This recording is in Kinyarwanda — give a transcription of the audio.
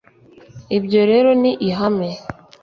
Ibyo rero ni ihame